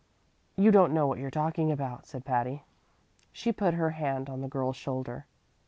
"You don't know what you're talking about," said Patty. She put her hand on the girl's shoulder.